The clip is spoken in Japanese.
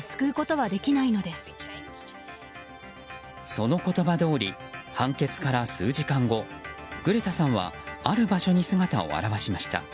その言葉どおり判決から数時間後グレタさんはある場所に姿を現しました。